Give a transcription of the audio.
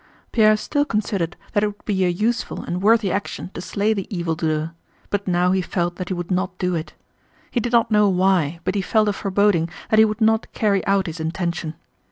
Pierre still considered that it would be a useful and worthy action to slay the evildoer, but now he felt that he would not do it. He did not know why, but he felt a foreboding that he would not carry out his intention.